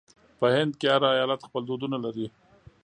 په هند کې هر ایالت خپل دودونه لري.